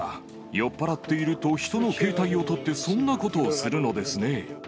酔っ払っていると、人の携帯をとって、そんなことをするのですね。